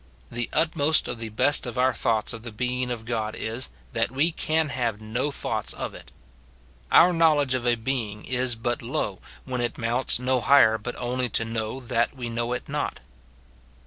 The utmost of the best of our thoughts of the being of God is, that we can have no thoughts of it. Our knowledge of a being is but low when it mounts no higher but only to know that we know it not.